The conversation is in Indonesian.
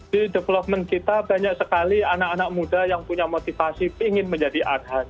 di development kita banyak sekali anak anak muda yang punya motivasi ingin menjadi arhan